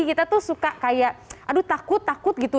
kita tuh suka kayak aduh takut takut gitu